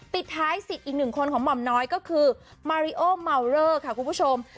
ปิดท้ายสิทธิ์อีก๑ของหม่อมน้อยก็คือมาเรีโอเม้าเร้อค่ะครูชม